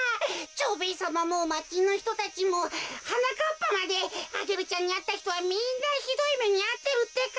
蝶兵衛さまもまちのひとたちもはなかっぱまでアゲルちゃんにあったひとはみんなひどいめにあってるってか。